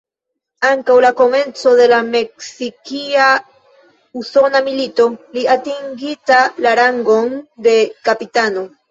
Antaŭ la komenco de la Meksikia-Usona Milito, li atingita la rangon de kapitano.